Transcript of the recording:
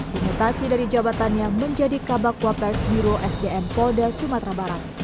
dimutasi dari jabatannya menjadi kabak wapers biro sdm polda sumatera barat